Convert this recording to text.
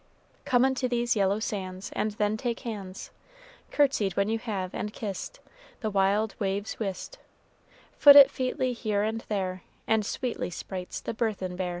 "Come unto these yellow sands, And then take hands; Courtsied when you have and kissed The wild waves whist, Foot it featly here and there; And, sweet sprites, the burthen bear."